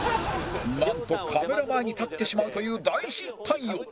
なんとカメラ前に立ってしまうという大失態を